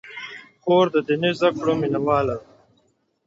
خور د دیني زدکړو مینه واله ده.